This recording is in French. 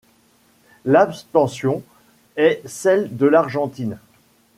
L'abstention est celle de l'Argentine.